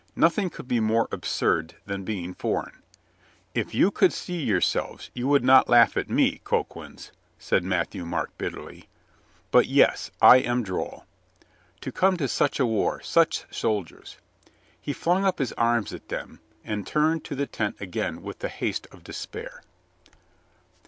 Nothing could be more absurd than being foreign, "li you could see yourselves you would not laugh at me, coquins," said Matthieu Marc bitterly. "But, yes! I am droll! 146 INGEMINATING PEACE i47 To come to such a war, such soldiers!" He flung up his arms at them and turned to the tent again with the haste of despair.